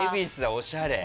おしゃれ。